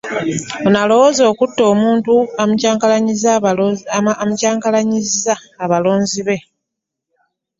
Ono alowoozebwa okutiisatiisa okutta omuntu amukyankalanyiza abalonzi be.